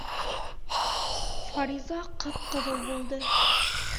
Фариза ҡып-ҡыҙыл булды.